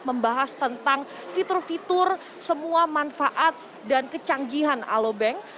membahas tentang fitur fitur semua manfaat dan kecanggihan alobank